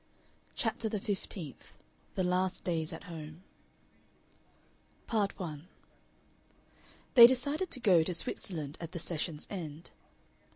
CHAPTER THE FIFTEENTH THE LAST DAYS AT HOME Part 1 They decided to go to Switzerland at the session's end.